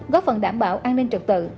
góp phần đảm bảo an ninh trực tự